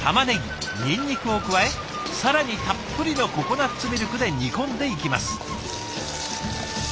にんにくを加え更にたっぷりのココナツミルクで煮込んでいきます。